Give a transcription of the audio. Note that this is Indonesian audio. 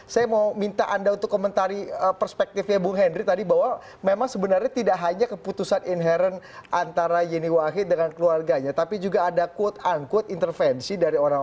saya mau minta anda untuk komentari perspektifnya bung henry tadi bahwa memang sebenarnya tidak hanya keputusan inherent antara yeni wahid dengan keluarganya tapi juga ada quote unquote intervensi dari orang orang yang tidak memiliki kesempatan untuk mengadakan keputusan ini